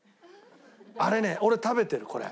あれね俺食べてるこれ。